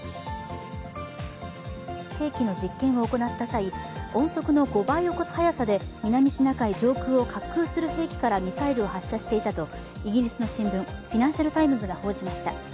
兵器の実験を行った際、音速の５倍を超す速さで南シナ海上空を滑空する兵器からミサイルを発射していたとイギリスの新聞「フィナンシャル・タイムズ」が報じました。